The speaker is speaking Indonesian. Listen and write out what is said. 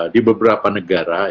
di beberapa negara